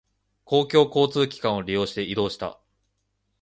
公共交通機関を利用して移動した。